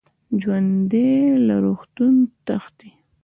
ژوندي له دروغو تښتي